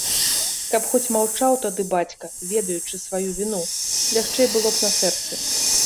Каб хоць маўчаў тады бацька, ведаючы сваю віну, лягчэй было б на сэрцы.